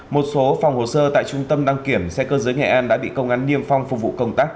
một số phòng hồ sơ tại trung tâm đăng kiểm xe cơ giới nghệ an đã bị công an niêm phong phục vụ công tác